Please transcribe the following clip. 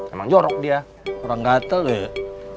emang jorok dia kurang gatel deh